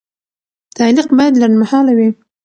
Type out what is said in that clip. تعلیق باید لنډمهاله وي.